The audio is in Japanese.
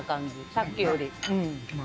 さっきより。